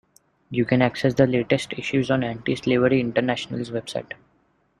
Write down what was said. You can access the latest issues on Anti-Slavery International's website.